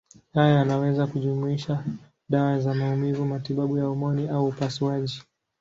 Haya yanaweza kujumuisha dawa za maumivu, matibabu ya homoni au upasuaji.